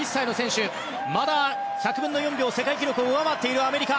まだ１００分の４秒世界記録を上回っているアメリカ。